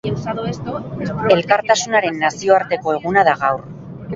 Elkartasunaren nazioarteko eguna da gaur.